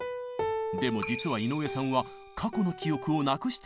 でも実は井上さんは過去の記憶をなくしているんです。